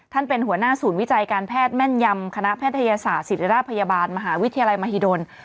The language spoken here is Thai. เป็นหัวหน้าศูนย์วิจัยการแพทย์แม่นยำคณะแพทยศาสตร์ศิริราชพยาบาลมหาวิทยาลัยมหิดล